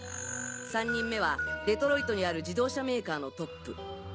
３人目はデトロイトにある自動車メーカーのトップ。